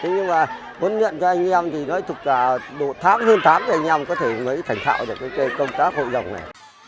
nhưng mà huấn luyện cho anh em thì nói thật là thám huyên thám cho anh em có thể mới thành thạo được cái công tác hội dòng này